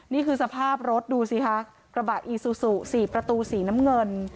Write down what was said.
นี่คือสภาพรถดูสิคะกระบะอีซูซู๔ประตูสีน้ำเงิน